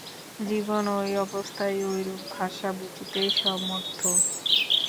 জীব ঐ অবস্থায় ঐরূপ ভাষা বুঝিতেই সমর্থ।